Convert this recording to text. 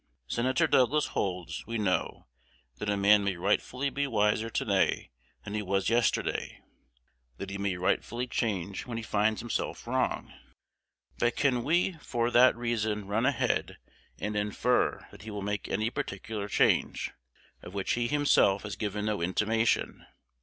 Senator Douglas holds, we know, that a man may rightfully be wiser to day than he was yesterday; that he may rightfully change when he finds himself wrong. But can we for that reason run ahead, and infer that he will make any particular change, of which he himself has given no intimation?